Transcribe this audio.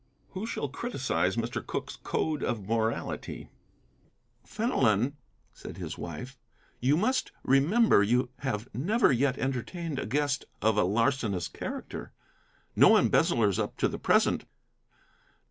Who shall criticise Mr. Cooke's code of morality? "Fenelon," said his wife, "you must remember you have never yet entertained a guest of a larcenous character. No embezzlers up to the present.